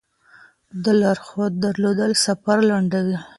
د لارښود درلودل سفر لنډوي.